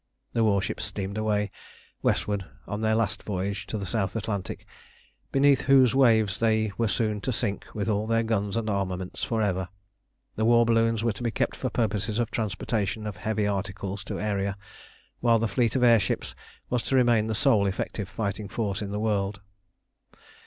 The warships steamed away westward on their last voyage to the South Atlantic, beneath whose waves they were soon to sink with all their guns and armaments for ever. The war balloons were to be kept for purposes of transportation of heavy articles to Aeria, while the fleet of air ships was to remain the sole effective fighting force in the world.